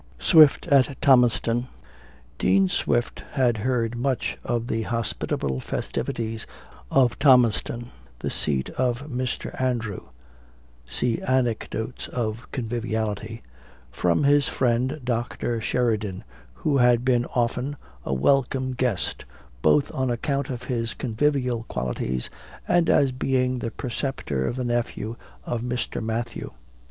SWIFT AT THOMASTOWN. Dean Swift had heard much of the hospitable festivities of Thomastown, the seat of Mr. Matthew (See Anecdotes of Conviviality), from his friend Dr. Sheridan, who had been often, a welcome guest, both on account of his convivial qualities, and as being the preceptor of the nephew of Mr. Matthew.